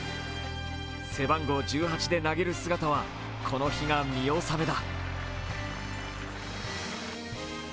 背番号１８で投げる姿は、この日で見納めだ。